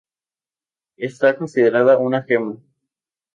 Está considerada una gema.